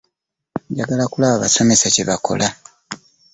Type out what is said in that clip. Njagala kulaba basomesa kye bakola.